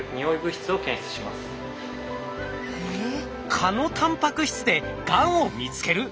蚊のタンパク質でがんを見つける！？